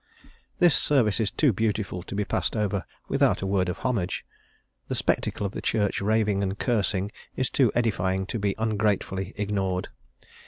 THIS service is too beautiful to be passed over without a word of homage; the spectacle of the Church raving and cursing is too edifying to be ungratefully ignored.